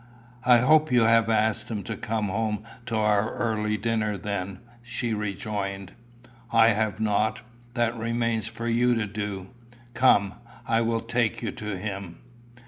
"I hope you have asked him to come home to our early dinner, then," she rejoined. "I have not. That remains for you to do. Come, I will take you to him."